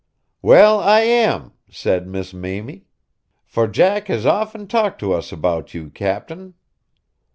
"Well, I am," said Miss Mamie, "for Jack has often talked to us about you, captain."